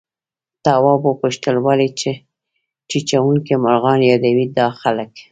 تواب وپوښتل ولې چیچونکي مرغان يادوي دا خلک؟